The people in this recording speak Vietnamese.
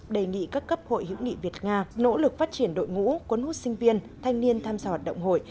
đề nghị các cấp hội hữu nghị việt nga nỗ lực phát triển đội ngũ quấn hút sinh viên thanh niên tham gia hoạt động hội